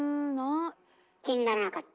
気にならなかった？